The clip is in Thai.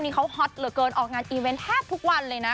นี่เขาฮอตเหลือเกินออกงานอีเวนต์แทบทุกวันเลยนะ